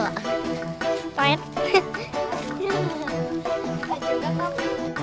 bapak juga bapak